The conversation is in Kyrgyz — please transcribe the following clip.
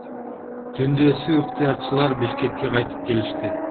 Түндөсү ыктыярчылар Бишкекке кайтып келишти.